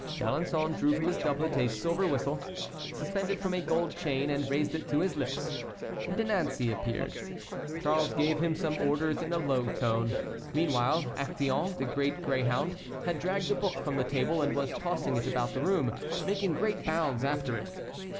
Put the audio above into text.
D'Alençon drew from his doublet a silver whistle, suspended from a gold chain, and raised it to his lips. De Nancey appeared. Charles gave him some orders in a low tone. Meanwhile Actéon, the great greyhound, had dragged a book from the table, and was tossing it about the room, making great bounds after it.